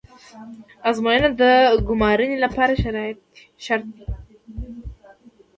ازموینه د ګمارنې لپاره شرط ده